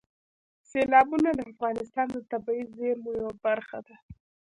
سیلابونه د افغانستان د طبیعي زیرمو یوه برخه ده.